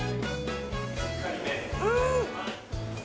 うん！